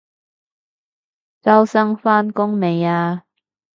周生返工未啊？